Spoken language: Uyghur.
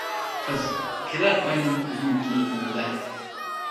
قىز : كېلەر ئاينىڭ بۈگۈنكى كۈنىدە.